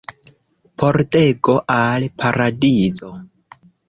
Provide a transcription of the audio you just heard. Pordego al Paradizo.